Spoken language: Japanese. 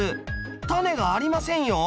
タネがありませんよ。